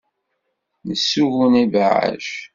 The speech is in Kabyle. Nessugun ibeɛɛac.